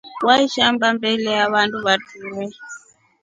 Waishamba mbele ya vandu vatrue.